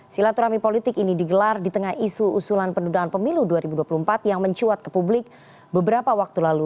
silaturahmi politik ini digelar di tengah isu usulan pendudukan pemilu dua ribu dua puluh empat yang mencuat ke publik beberapa waktu lalu